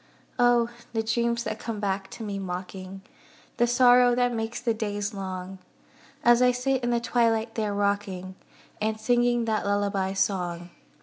Oh! the dreams that come back to me mocking, The sorrow that makes the days long; As I sit in the twilight there rocking, And singing that lullaby song.